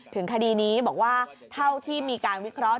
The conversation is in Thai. ถึงคดีนี้บอกว่าเท่าที่มีการวิเคราะห